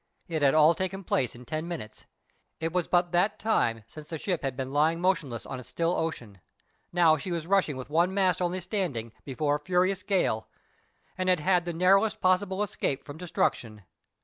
It had all taken place in ten minutes. It was but that time since the ship had been lying motionless on a still ocean. Now she was rushing with one mast only standing, before a furious gale, and had had the narrowest possible escape from destruction.